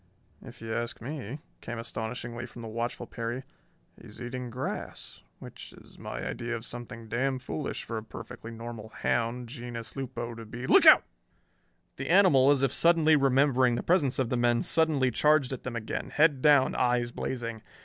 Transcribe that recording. "If you ask me," came astonishingly from the watchful Perry, "he's eating grass, which is my idea of something damn foolish for a perfectly normal hound, genus lupo, to be Look out!" The animal, as if suddenly remembering the presence of the men, suddenly charged at them again, head down, eyes blazing.